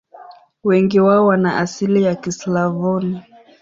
Wengi wao wana asili ya Kislavoni.